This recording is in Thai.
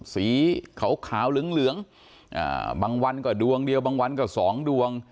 สีเขาขาวเหลืองบางวันก็ดวง๑บางวันก็๒ดวง